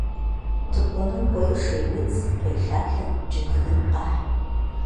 Тыкуэным кӏуэи шейудз, кхъуейлъалъэ, джэдгын къэхь.